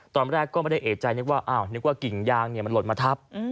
ตอนแรกก็ไม่ได้เอกใจนึกว่ากิ่งยางมันหลดมาทับ